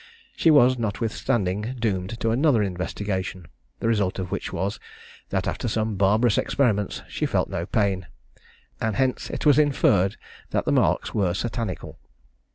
She was, notwithstanding, doomed to another investigation, the result of which was, that after some barbarous experiments, she felt no pain, and hence it was inferred that the marks were satanical.